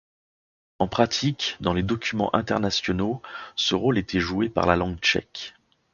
En pratique, dans les documents internationaux, ce rôle était joué par la langue tchèque.